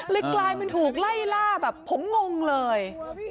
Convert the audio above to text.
เลยกลายเป็นถูกไล่ลาบผมงงเลย